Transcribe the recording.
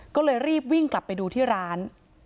ก็เลยรีบวิ่งกลับไปดูที่ร้าน